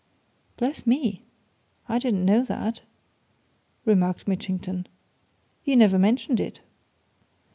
"Bless me! I didn't know that," remarked Mitchington. "You never mentioned it."